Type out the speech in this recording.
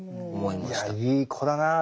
いやいい子だなぁ。